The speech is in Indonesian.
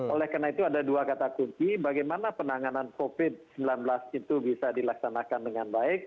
oleh karena itu ada dua kata kunci bagaimana penanganan covid sembilan belas itu bisa dilaksanakan dengan baik